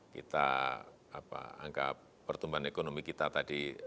kita angka pertumbuhan ekonomi kita tadi lima empat puluh empat